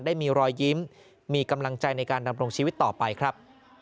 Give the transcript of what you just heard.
ได้มีรอยยิ้มมีกำลังใจในการดำรงชีวิตต่อไปครับ